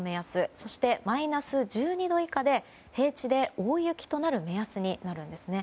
そしてマイナス１２度以下で平地で大雪となる目安になるんですね。